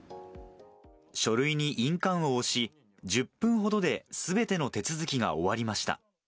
書類に印鑑を押し、１０分ほどで、すべての手続きが終わりました。